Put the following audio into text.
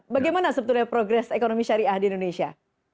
bagaimana sebetulnya progres ekonomi syariah di indonesia